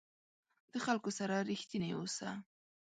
د خلکو سره رښتینی اوسه.